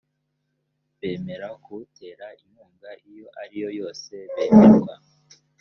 bemera kuwutera inkunga iyo ariyo yose bemerwa